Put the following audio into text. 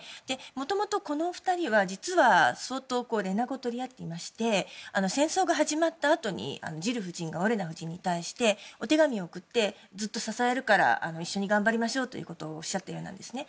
もともと、この２人は実は相当連絡を取り合っていまして戦争が始まったあとにジル夫人がオレナ夫人に対してお手紙を送ってずっと支えるから一緒に頑張りましょうとおっしゃったようなんですね。